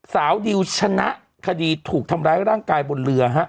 สาวดิวชนะคดีถูกทำร้ายร่างกายบนเรือฮะ